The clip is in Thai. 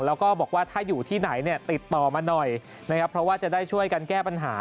แล้วก็บอกว่าถ้าอยู่ที่ไหนเนี่ยติดต่อมาหน่อยนะครับเพราะว่าจะได้ช่วยกันแก้ปัญหา